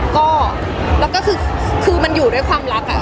ก็แล้วก็คือมันอยู่ด้วยความรัก